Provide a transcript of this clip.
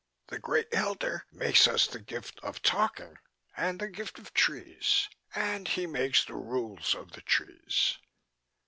The Great Elder makes us the gift of talking and the gift of trees, and he makes the rules of the trees.